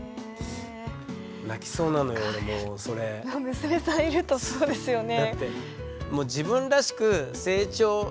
娘さんいるとそうですよね。